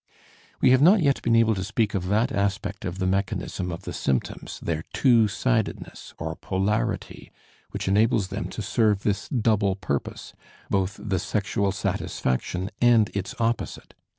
We have not yet been able to speak of that aspect of the mechanism of the symptoms, their two sidedness, or polarity, which enables them to serve this double purpose, both the sexual satisfaction and its opposite.